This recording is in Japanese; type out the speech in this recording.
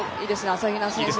朝比奈選手